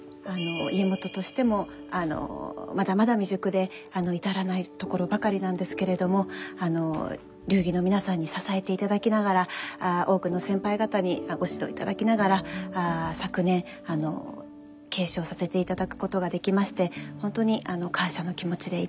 家元としてもまだまだ未熟で至らないところばかりなんですけれども流儀の皆さんに支えていただきながら多くの先輩方にご指導いただきながら昨年継承させていただくことができまして本当に感謝の気持ちでいっぱいです。